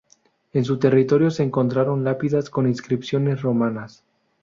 En su territorio se encontraron lápidas con inscripciones romanas.